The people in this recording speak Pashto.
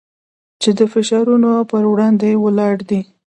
چې د فشارونو پر وړاندې ولاړ دی.